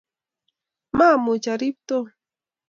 maamuch arib Tom.